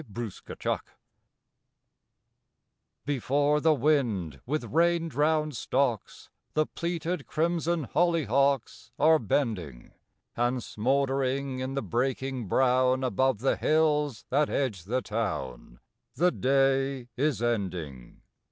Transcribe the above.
CLEARING Before the wind, with rain drowned stocks, The pleated crimson hollyhocks Are bending; And, smouldering in the breaking brown, Above the hills that edge the town, The day is ending.